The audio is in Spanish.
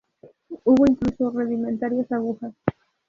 Hubo incluso rudimentarias agujas.